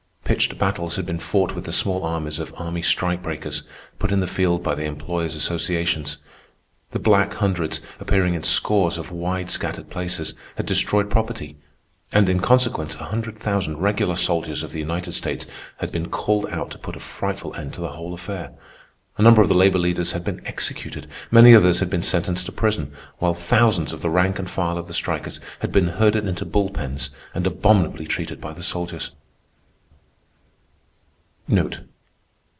Pitched battles had been fought with the small armies of armed strike breakers put in the field by the employers' associations; the Black Hundreds, appearing in scores of wide scattered places, had destroyed property; and, in consequence, a hundred thousand regular soldiers of the United States had been called out to put a frightful end to the whole affair. A number of the labor leaders had been executed; many others had been sentenced to prison, while thousands of the rank and file of the strikers had been herded into bull pens and abominably treated by the soldiers.